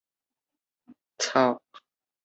截萼忍冬为忍冬科忍冬属下的一个种。